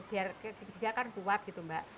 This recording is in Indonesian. biar kegigikan kuat gitu mbak